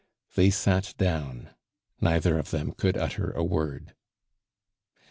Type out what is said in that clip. They sat down; neither of them could utter a word.